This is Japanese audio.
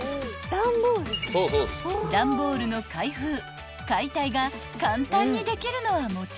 ［段ボールの開封解体が簡単にできるのはもちろん］